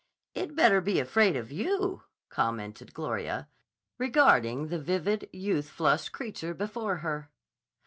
"It'd better be afraid of you," commented Gloria, regarding the vivid, youth flushed creature before her.